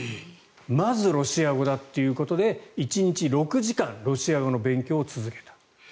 まずロシア語だっていうことで１日６時間ロシア語の勉強を続けた。